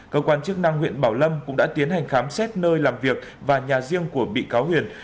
cơ quan chức năng huyện bảo lâm cũng đã tiến hành khám xét nơi làm việc và nhà riêng của bị cáo huyền